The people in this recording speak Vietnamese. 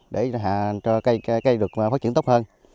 để cho cây được phát triển tốt hơn